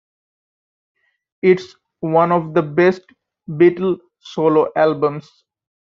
It's one of the best Beatle solo albums.